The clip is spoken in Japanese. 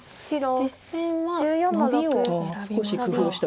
実戦はノビを選びました。